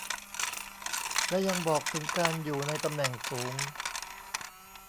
และยังบอกถึงการอยู่ในตำแหน่งสูง